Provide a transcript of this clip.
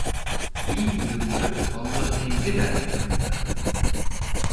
Bin yıldır Allah'ın emri dendi kadınlara.